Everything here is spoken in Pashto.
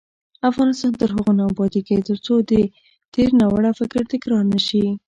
افغانستان تر هغو نه ابادیږي، ترڅو د تیر ناوړه فکر تکرار نشي.